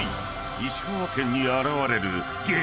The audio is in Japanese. ［石川県に現れる激